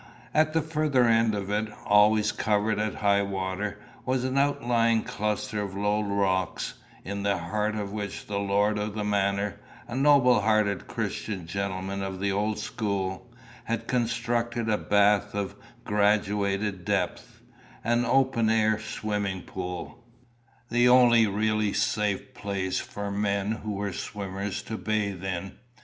At the further end of it, always covered at high water, was an outlying cluster of low rocks, in the heart of which the lord of the manor, a noble hearted Christian gentleman of the old school, had constructed a bath of graduated depth an open air swimming pool the only really safe place for men who were swimmers to bathe in.